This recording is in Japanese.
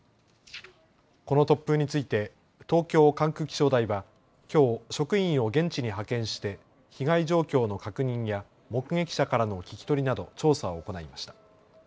この突風について東京管区気象台はきょう職員を現地に派遣して被害状況の確認や目撃者からの聞き取りなど調査を行いました。